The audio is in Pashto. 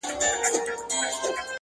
د فیلانو هم سي غاړي اوږدولای-